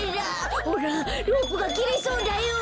ほらロープがきれそうだよ。